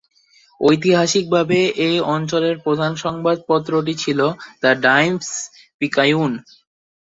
ঐতিহাসিকভাবে এই অঞ্চলের প্রধান সংবাদপত্রটি ছিল "দ্য টাইমস-পিকায়ুন"।